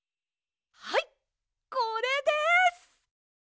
はいこれです！